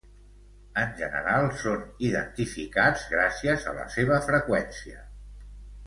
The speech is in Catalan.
En general són identificats gràcies a la seva freqüència.